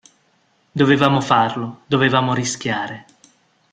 Dovevamo farlo, dovevamo rischiare.